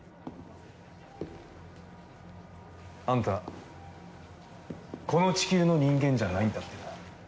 アンタこの地球の人間じゃないんだってな？